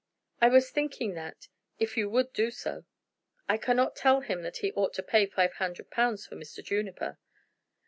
"I was thinking that if you would do so!" "I cannot tell him that he ought to find five hundred pounds for Mr. Juniper."